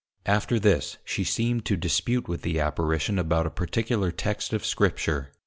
_ After this, she seemed to dispute with the Apparition about a particular Text of Scripture.